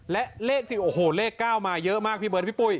และเลขสิโอ้โหเลข๙มาเยอะมากพี่เบิร์ดพี่ปุ้ย